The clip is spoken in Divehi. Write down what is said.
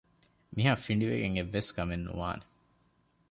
މިހާ ފިނޑިވެގެން އެއްވެސް ކަމެއް ނުވާނެ